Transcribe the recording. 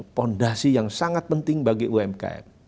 fondasi yang sangat penting bagi umkm